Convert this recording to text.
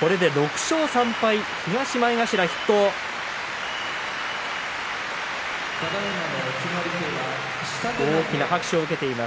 これで６勝３敗、東前頭筆頭です。